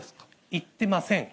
言ってません。